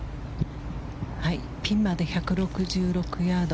ピンまで１６６ヤード。